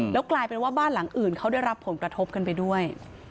แล้วกลายเป็นว่าบ้านหลังอื่นเขาได้รับผลกระทบกันไปด้วย